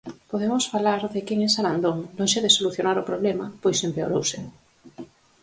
Podemos falar de que en Sarandón, lonxe de solucionar o problema, pois empeorouse.